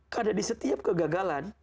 karena di setiap kegagalan